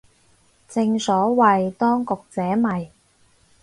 正所謂當局者迷